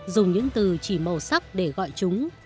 dùng những từ chỉ màu sắc để gọi chúng